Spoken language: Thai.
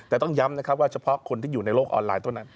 แต่ต้องย้ำนะครับว่าเฉพาะคนที่อยู่ในโลกออนไลน์เท่านั้น